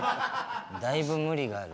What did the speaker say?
だいぶ無理がある。